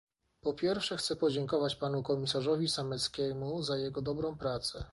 Po pierwsze chcę podziękować panu komisarzowi Sameckiemu za jego dobrą pracę